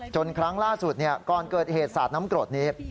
จนครั้งล่าสุดเนี่ยก่อนเกิดเหตุศาสตร์น้ำกรดนี้